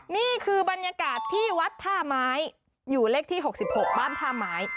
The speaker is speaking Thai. นี่คือบรรยากาศที่วัดท่าไม้อยู่เลขที่๖๖บ้านท่าไม้